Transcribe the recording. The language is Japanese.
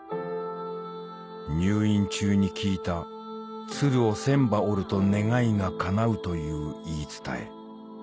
「入院中に聞いた『鶴を千羽折ると願いが叶う』という言い伝え」